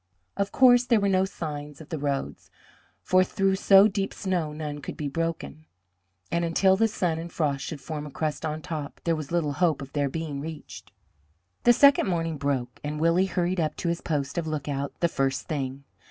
Of course there were no signs of the roads, for through so deep snow none could be broken, and until the sun and frost should form a crust on top there was little hope of their being reached. The second morning broke, and Willie hurried up to his post of lookout the first thing.